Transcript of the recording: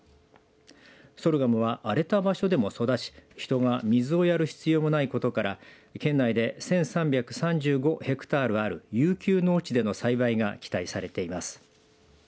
ソルガムは荒れた場所でも育ち人が水をやる必要もないことから県内で１３３５ヘクタールある遊休農地での栽培が期待されています。